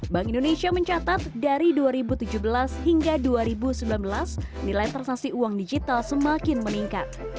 bank indonesia mencatat dari dua ribu tujuh belas hingga dua ribu sembilan belas nilai transaksi uang digital semakin meningkat